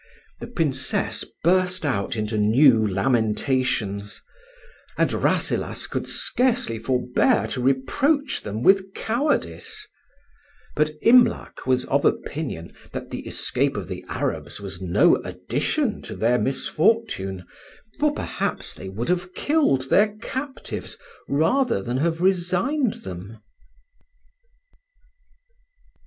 The Princess burst out into new lamentations, and Rasselas could scarcely forbear to reproach them with cowardice; but Imlac was of opinion that the escape of the Arabs was no addition to their misfortune, for perhaps they would have killed their captives rather than have resigned them.